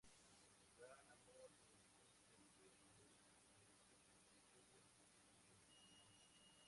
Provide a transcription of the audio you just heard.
Gran amor de Chesterfield desde el principio de la serie, aunque no correspondido.